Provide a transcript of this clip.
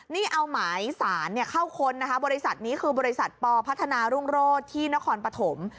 นี่เอาหมายสารเข้าค้นนะคะบริษัทนี้คือบริษัทปพัฒนารุ่งโรศที่นครปฐม